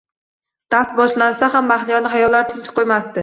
Dars boshlansa ham, Mahliyoni xayollari tinch qo`ymasdi